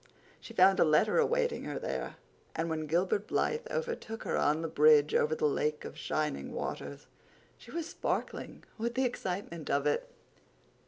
She found a letter awaiting her there, and when Gilbert Blythe overtook her on the bridge over the Lake of Shining Waters she was sparkling with the excitement of it.